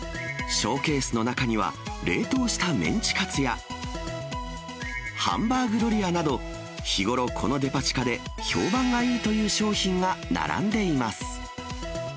ショーケースの中には、冷凍したメンチカツや、ハンバーグドリアなど、日頃このデパ地下で評判がいいという商品が並んでいます。